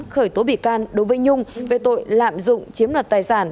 khởi tố bị can đối với nhung về tội lạm dụng chiếm đoạt tài sản